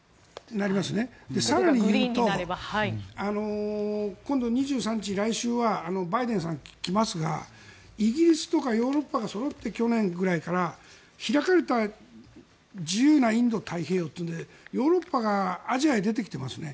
更に言うと今度、２３日、来週はバイデンさん、来ますがイギリスとかヨーロッパがそろって去年ぐらいから開かれた自由なインド太平洋ということでヨーロッパがアジアへ出てきていますね。